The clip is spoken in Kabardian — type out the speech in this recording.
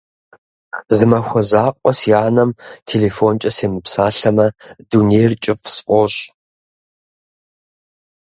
Зы махуэ закъуэ си анэм телефонкӏэ семыпсэлъамэ, дунейр кӏыфӏ сфӏощӏ.